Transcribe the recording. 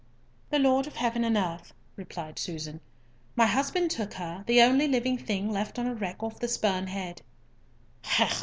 "The Lord of heaven and earth," replied Susan. "My husband took her, the only living thing left on a wreck off the Spurn Head."